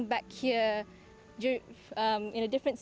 dan kembali ke sini